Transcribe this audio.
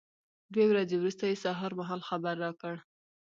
دوې ورځې وروسته یې سهار مهال خبر را کړ.